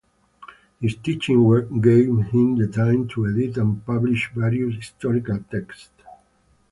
His teaching work gave him the time to edit and publish various historical texts.